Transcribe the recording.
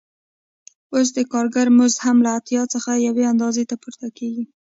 اوس د کارګر مزد هم له اتیا څخه یوې اندازې ته پورته کېږي